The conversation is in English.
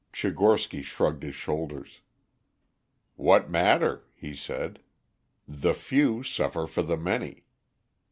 Tchigorsky shrugged his shoulders. "What matter?" he said. "The few suffer for the many.